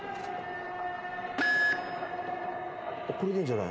これでいいんじゃない？